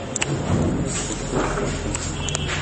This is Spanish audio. Su nombre es por George Washington.